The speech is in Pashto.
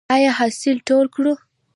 آیا حاصل ټول کړو؟